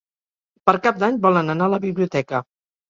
Per Cap d'Any volen anar a la biblioteca.